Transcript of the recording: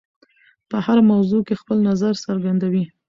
په هره موضوع کې خپل نظر څرګندوي.